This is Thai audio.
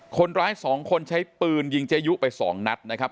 คนร้ายสองคนใช้ปืนยิงเจยุไปสองนัดนะครับ